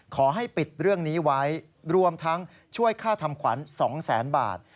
ขอให้ปิดเรื่องนี้ไว้รวมทั้งช่วยค่าทำขวัญ๒แสนบาท